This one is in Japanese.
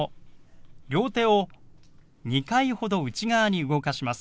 両手を２回ほど内側に動かします。